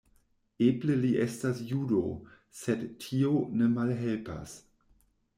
Eble li estas judo, sed tio ne malhelpas.